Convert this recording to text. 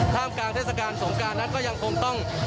ท่ามกลางเทศกาลสงการนั้นก็ยังคงต้อง